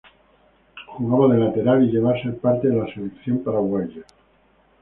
Jugaba de lateral y llegó a ser parte de la selección paraguaya.